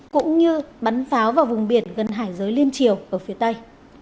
cũng như bắn pháo vào vùng biển gần hải giới liên triều ở phía tây